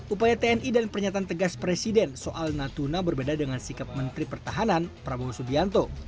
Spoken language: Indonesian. upaya tni dan pernyataan tegas presiden soal natuna berbeda dengan sikap menteri pertahanan prabowo subianto